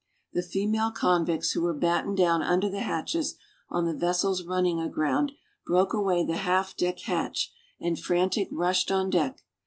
The female convicts, who were battened down under the hatches, on the vessel's running aground, broke away the half deck hatch, and frantic, rushed on deck.